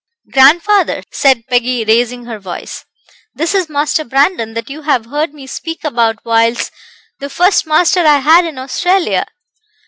Grandfather," said Peggy, raising her voice, "this is Master Brandon that you have heard me speak about whiles the first master I had in Australia."